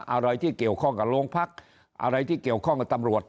อะไรที่เกี่ยวข้องกับโรงพักอะไรที่เกี่ยวข้องกับตำรวจ